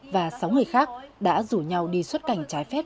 và sáu người khác đã rủ nhau đi xuất cảnh trái phép